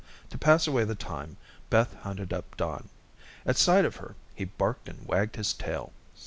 To pass away the time, Beth hunted up Don. At sight of her, he barked and wagged his tail.